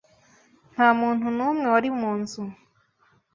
Nta muntu n'umwe wari mu nzu.